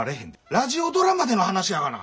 ラジオドラマでの話やがな。